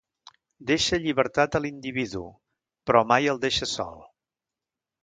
Deixa llibertat a l'individu, però mai el deixa sol.